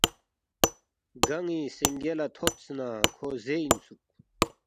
گن٘ی سِنگے لہ تھوبس نہ کھو زے اِنسُوک